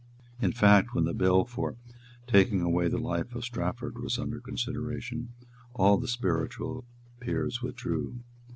In fact, when the bill for taking away the life of Strafford was under consideration, all the spiritual peers withdrew.